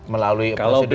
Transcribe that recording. melalui prosedur yang ada